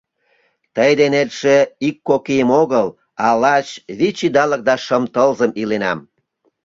Тый денетше ик-кок ийым огыл, а лач вич идалык да шым тылзым иленам.